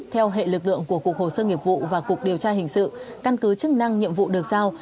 theo hệ lực lượng của cục hồ sơ nghiệp vụ và cục điều tra hình sự căn cứ chức năng nhiệm vụ được giao